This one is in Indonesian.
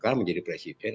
dan juga menjadi presiden